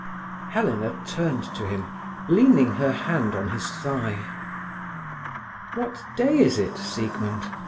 Helena turned to him, leaning her hand on his thigh. "What day is it, Siegmund?"